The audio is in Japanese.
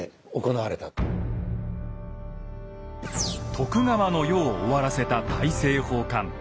徳川の世を終わらせた大政奉還。